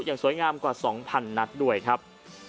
อย่างสวยงามกว่า๒๐๐นัดด้วยครับ